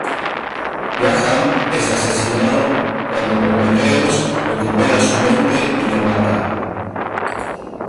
Graham es asesinado cuando Prometheus recupera su mente y lo mata.